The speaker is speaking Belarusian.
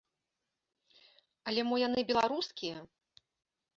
Але мо яны беларускія?